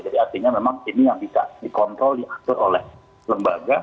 jadi artinya memang ini yang bisa dikontrol diatur oleh lembaga